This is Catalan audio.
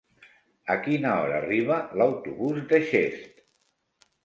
A quina hora arriba l'autobús de Xest?